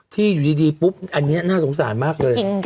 ที่อยู่ดีปุ๊บอันนี้น่าสงสารมากเลย